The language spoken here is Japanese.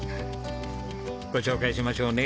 ご紹介しましょうね。